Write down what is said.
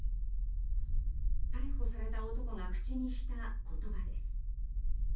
逮捕された男が口にした言葉です。